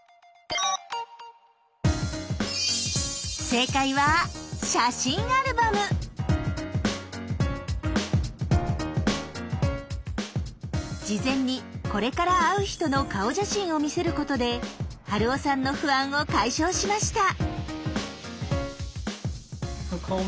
正解は事前にこれから会う人の顔写真を見せることで春雄さんの不安を解消しました。